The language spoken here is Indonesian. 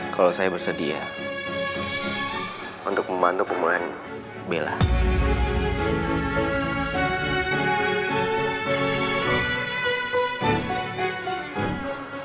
kalo saya bersedia untuk membantu pemain berapa